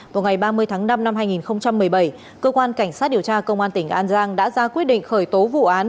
vào ngày ba mươi tháng năm năm hai nghìn một mươi bảy cơ quan cảnh sát điều tra công an tỉnh an giang đã ra quyết định khởi tố vụ án